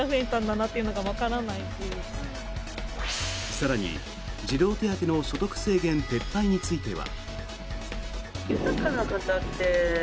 更に、児童手当の所得制限撤廃については。